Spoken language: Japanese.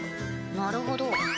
なるほど。